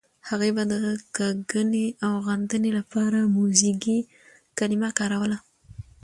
هغې به د کږنې او غندنې لپاره موزیګي کلمه کاروله.